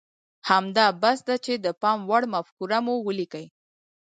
همدا بس ده چې د پام وړ مفکوره مو وليکئ.